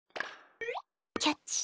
キャッチ。